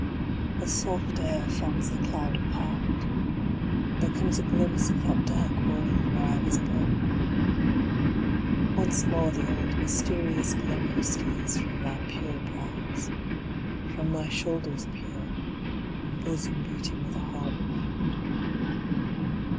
A soft air fans the cloud apart; there comes A glimpse of that dark world where I was born. Once more the old mysterious glimmer steals From thy pure brows, and from thy shoulders pure, And bosom beating with a heart renew'd.